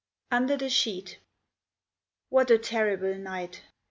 UNDER THE SHEET What a terrible night!